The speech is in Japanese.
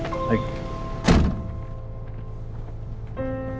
はい。